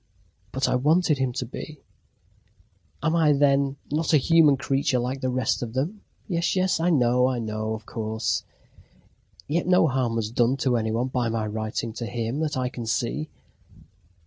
"But I wanted him to be... Am I then not a human creature like the rest of them? Yes, yes, I know, I know, of course... Yet no harm was done to any one by my writing to him that I can see..."